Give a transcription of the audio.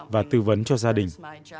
và tư vấn cho gia đình